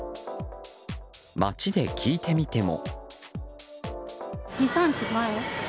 街で聞いてみても。